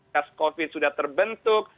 kas covid sudah terbentuk